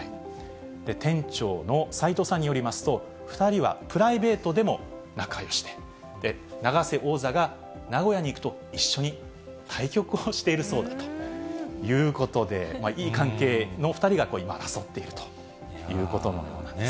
店長の斉藤さんによりますと、２人はプライベートでも仲よしで、永瀬王座が名古屋に行くと、一緒に対局をしているそうだということで、いい関係の２人が今、争っているということのようなんです。